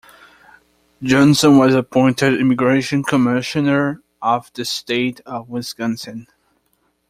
Johnson was appointed Immigration Commissioner of the state of Wisconsin.